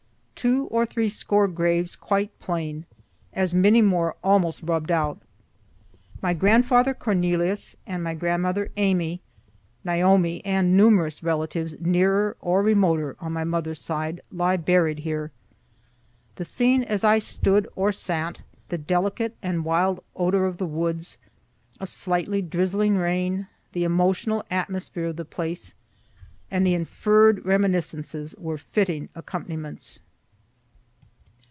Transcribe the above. Two or three score graves quite plain; as many more almost rubb'd out. My grandfather Cornelius and my grandmother Amy (Naomi) and numerous relatives nearer or remoter, on my mother's side, lie buried here. The scene as I stood or sat, the delicate and wild odor of the woods, a slightly drizzling rain, the emotional atmosphere of the place, and the inferr'd reminiscences, were fitting accompaniments.